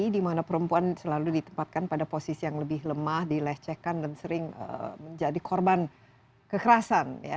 di mana perempuan selalu ditempatkan pada posisi yang lebih lemah dilecehkan dan sering menjadi korban kekerasan